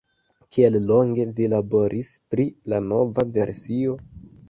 Kiel longe vi laboris pri la nova versio?